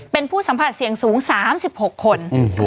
เป็นผู้สัมผัสเสี่ยงสูง๓๖คน